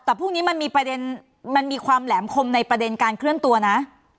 แต่พรุ่งนี้มันมีประเด็นมันมีความแหลมคมในประเด็นการเคลื่อนตัวนะ